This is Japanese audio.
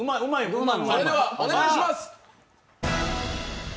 それでは、お願いします！